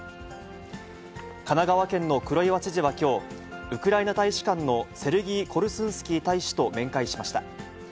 神奈川県の黒岩知事はきょう、ウクライナ大使館のセルギー・コルスンスキー大使と面会しました。